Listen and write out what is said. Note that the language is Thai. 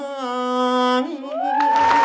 ท่านมิตร